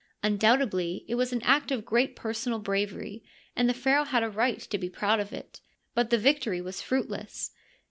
Undoubtedly it was an act of great personal bravery, and the pharaoh had a right to be proud of it ; but the victory was fruitless.